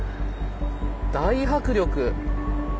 大迫力！